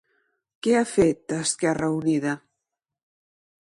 Què ha fet a Esquerra Unida?